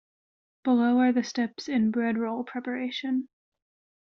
Below are the steps in bread roll preparation.